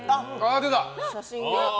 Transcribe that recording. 写真が。